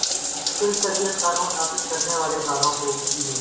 کچھ تربیت قانون نافذ کرنے والے اداروں کی ہو۔